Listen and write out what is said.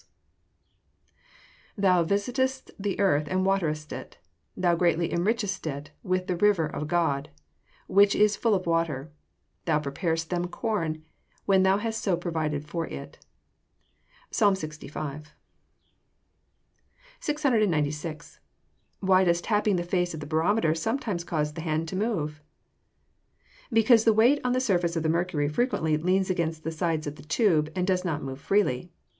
[Verse: "Thou visitest the earth, and waterest it: thou greatly enrichest it with the river of God, which is full of water: thou preparest them corn, when thou hast so provided for it." PSALM LXV.] 696. Why does tapping the face of the barometer sometimes cause the hand to move? Because the weight on the surface of the mercury frequently leans against the sides of the tube, and does not move freely.